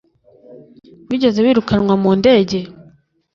Wigeze wirukanwa mu ndege?